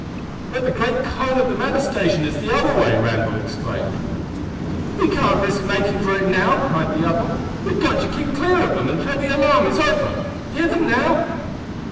"But the great cone of the matter station is the other way!" Randall exclaimed. "We can't risk making for it now!" cried the other. "We've got to keep clear of them until the alarm is over. Hear them now?"